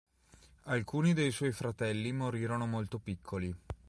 Alcuni dei suoi fratelli morirono molto piccoli.